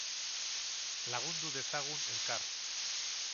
Lagundu dezagun elkar.